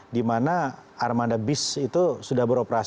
di mana armada bis itu sudah beroperasi